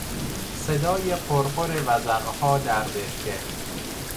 صدای قرقر وزغها در برکه